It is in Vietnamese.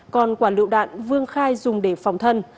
còn quả lựu đạn vương khai dùng để phòng thân